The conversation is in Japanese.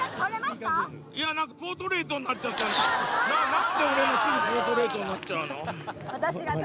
なんで俺のすぐポートレートになっちゃうの？